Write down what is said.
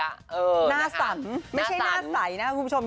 หน้าสันไม่ใช่หน้าสัยนะคุณผู้ชม